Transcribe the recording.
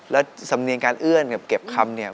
แล้วสำเนียงการเอื้อนกับเก็บคำเนี่ย